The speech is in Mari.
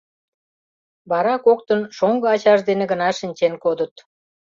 Вара коктын шоҥго ачаж дене гына шинчен кодыт.